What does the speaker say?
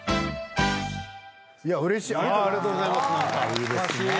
うれしい。